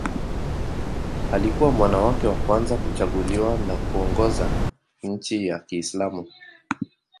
Alikuwa mwanamke wa kwanza kuchaguliwa na kuongoza nchi ya Kiislamu.